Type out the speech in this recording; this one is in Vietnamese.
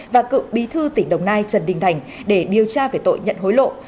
và cựu bí thư tỉnh đồng nai trần đình thành để điều tra về tội nhận hối lộ